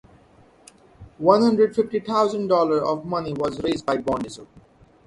One hundred fifty thousand dollars of the money was raised by bond issue.